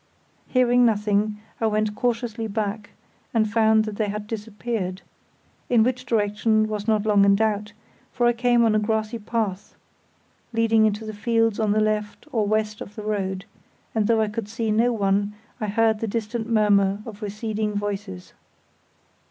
Hearing nothing I went cautiously back and found that they had disappeared; in which direction was not long in doubt, for I came on a grassy path leading into the fields on the left or west of the road, and though I could see no one I heard the distant murmur of receding voices.